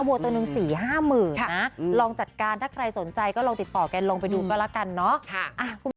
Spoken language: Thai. วัวตัวหนึ่ง๔๕หมื่นนะลองจัดการถ้าใครสนใจก็ลองติดต่อกันลองไปดูก็แล้วกันเนาะ